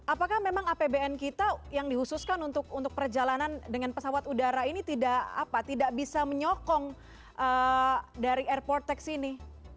apakah memang apbn kita yang dihususkan untuk perjalanan dengan pesawat udara ini tidak bisa menyokong dari airport tax ini